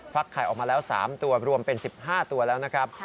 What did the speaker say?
ไข่ออกมาแล้ว๓ตัวรวมเป็น๑๕ตัวแล้วนะครับ